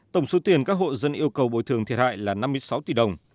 tổng số tiền các hộ dân yêu cầu bồi thường thiệt hại là năm mươi sáu tỷ đồng